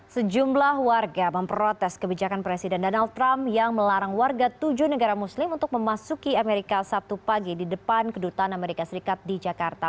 sejumlah warga memprotes kebijakan presiden donald trump yang melarang warga tujuh negara muslim untuk memasuki amerika sabtu pagi di depan kedutaan amerika serikat di jakarta